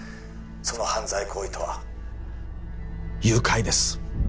その犯罪行為とは誘拐です